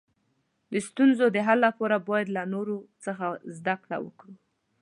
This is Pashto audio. د ستونزو د حل لپاره باید له نورو څخه زده کړه وکړو.